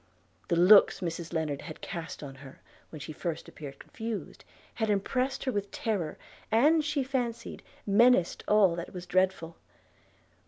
The looks Mrs Lennard had cast on her, when she first appeared confused, had impressed her with terror, and, she fancied, menaced all that was dreadful.